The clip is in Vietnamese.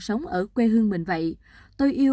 sống ở quê hương mình vậy tôi yêu